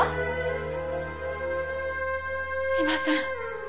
いません。